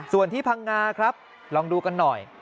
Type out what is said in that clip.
ส่วนที่พังงาครับลองดูกันหน่อย